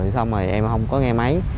xong rồi em không có nghe máy